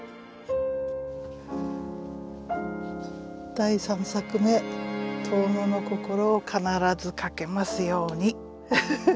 「第三作め遠野の心を必ず書けますようにちさこ」。